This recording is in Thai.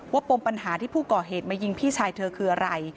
ปมปัญหาที่ผู้ก่อเหตุมายิงพี่ชายเธอคืออะไร